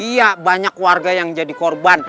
iya banyak warga yang jadi korban